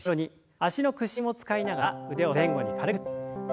脚の屈伸を使いながら腕を前後に軽く振って。